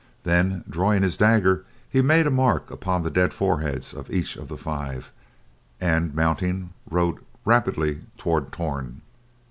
Then, drawing his dagger, he made a mark upon the dead foreheads of each of the five, and mounting, rode rapidly toward Torn.